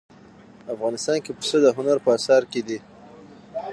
افغانستان کې پسه د هنر په اثار کې دي.